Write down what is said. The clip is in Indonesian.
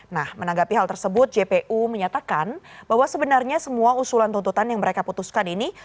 nah menanggapi hal tersebut jpu menyatakan bahwa sebenarnya semua usulan tuntutan yang mereka putuskan ini